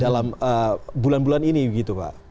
dalam bulan bulan ini begitu pak